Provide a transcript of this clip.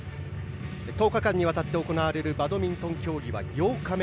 １０日間にわたって行われるバドミントン競技は８日目。